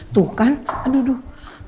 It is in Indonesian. tuh kan aduh aduh